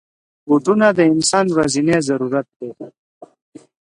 بوټونه د انسان ورځنی ضرورت دی.